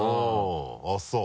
あぁそう。